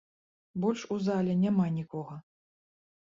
Больш у зале няма нікога!